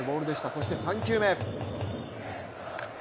そして３球目。